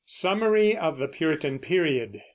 SUMMARY OF THE PURITAN PERIOD.